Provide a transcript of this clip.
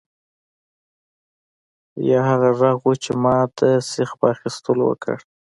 یا هغه غږ و چې ما د سیخ په اخیستلو وکړ